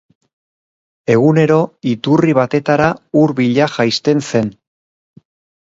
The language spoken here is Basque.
Egunero iturri batetara ur bila jaisten zen.